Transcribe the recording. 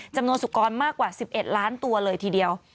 สุกรมากกว่า๑๑ล้านตัวเลยทีเดียว